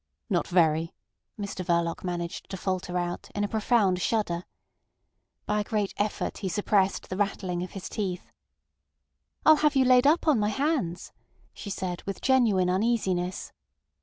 "Not very," Mr Verloc managed to falter out, in a profound shudder. By a great effort he suppressed the rattling of his teeth. "I'll have you laid up on my hands," she said, with genuine uneasiness.